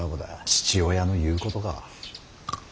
父親の言うことか。